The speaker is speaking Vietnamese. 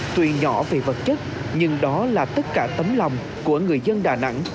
tuy nhỏ về vật chất nhưng đó là tất cả tấm lòng của người dân đà nẵng